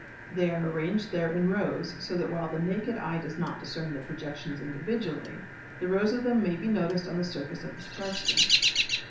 They are arranged there in rows so that while the naked eye does not discern the projections individually the rows of them may be noticed on the surface of the scarf skin.